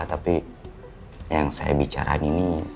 tapi yang saya bicarain ini